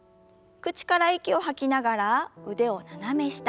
口から息を吐きながら腕を斜め下。